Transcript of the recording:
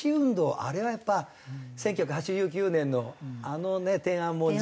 あれはやっぱ１９８９年のあのね天安門事件を。